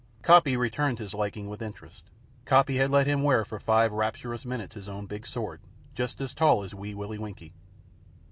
Coppy returned his liking with interest. Coppy had let him wear for five rapturous minutes his own big sword just as tall as Wee Willie Winkie.